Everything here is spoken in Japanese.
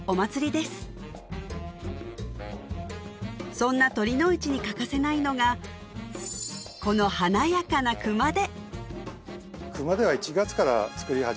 そんな酉の市に欠かせないのがこの華やかな熊手